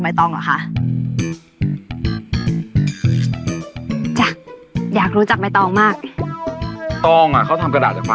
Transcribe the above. เป็นลูกแบบนี้นะครับ